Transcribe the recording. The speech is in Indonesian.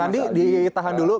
mas aldi ditahan dulu